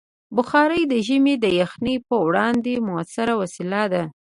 بخاري د ژمي د یخنۍ پر وړاندې مؤثره وسیله ده.